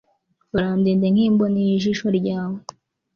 urandinde nk'imboni y'ijisho ryawe